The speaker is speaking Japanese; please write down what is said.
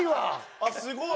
あっすごい！